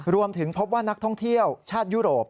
รวมถึงพบว่านักท่องเที่ยวชาติยุโรป